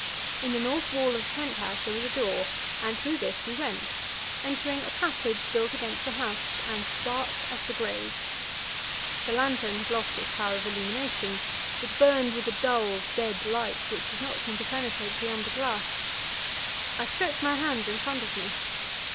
In the north wall of the pent house there was a door, and through this we went, entering a passage built against the house, and dark as the grave. The lantern had lost its power of illumination; it burned with a dull, dead light, which did not seem to penetrate beyond the glass. I stretched my hands in front of me.